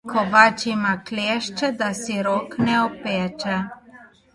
Kovač ima klešče, da si rok ne opeče.